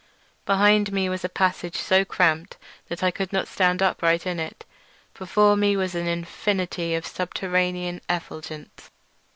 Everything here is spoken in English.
Behind me was a passage so cramped that I could not stand upright in it; before me was an infinity of subterranean effulgence.